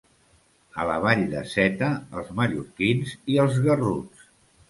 A la vall de Seta, els mallorquins i els garruts.